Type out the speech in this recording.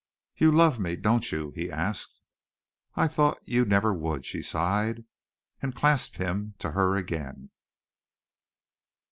"You love me, don't you?" he asked. "I thought you never would," she sighed, and clasped him to her again.